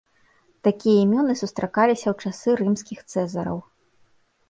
Такія імёны сустракаліся ў часы рымскіх цэзараў.